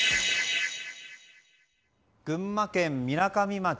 群馬県みなかみ町。